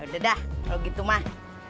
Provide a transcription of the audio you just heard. ya udah dah kalau gitu mah